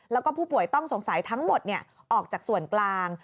แล้วก็ผู้ป่วยต้องสงสัยทั้งหมดออกจากส่วนกลาง